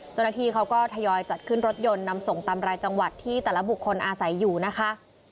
เจ้าหน้าที่เขาก็ทยอยจัดขึ้นรถยนต์นำส่งตามรายจังหวัดที่แต่ละบุคคลอาศัยอยู่นะคะ